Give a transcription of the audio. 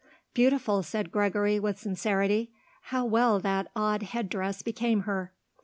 "Beautiful," said Gregory with sincerity. "How well that odd head dress became her."